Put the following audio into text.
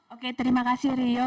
oke terima kasih rio